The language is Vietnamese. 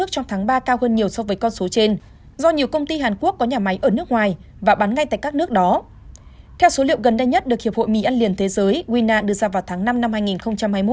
theo số liệu gần đây nhất được hiệp hội mì ăn liền thế giới đưa ra vào tháng năm năm hai nghìn hai mươi một